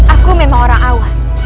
aku memang orang awal